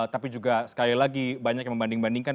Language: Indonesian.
tapi juga sekali lagi banyak yang membanding bandingkan